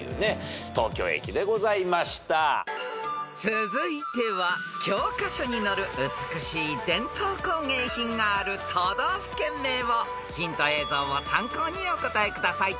［続いては教科書に載る美しい伝統工芸品がある都道府県名をヒント映像を参考にお答えください］